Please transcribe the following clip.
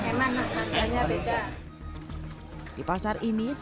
kalau yang bagus maksudnya yang utuh